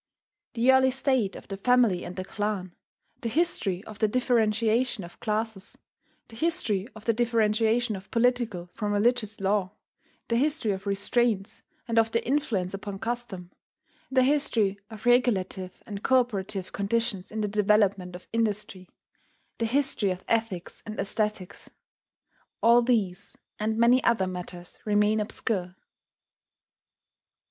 The early state of the family and the clan; the history of the differentiation of classes; the history of the differentiation of political from religious law; the history of restraints, and of their influence upon custom; the history of regulative and cooperative conditions in the development of industry; the history of ethics and aesthetics, all these and many other matters remain obscure.